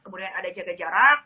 kemudian ada jaga jarak